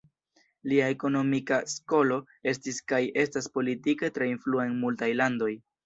Lia ekonomika skolo estis kaj estas politike tre influa en multaj landoj.